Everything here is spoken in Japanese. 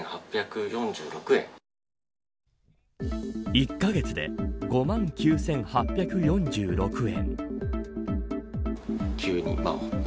１カ月で５万９８４６円。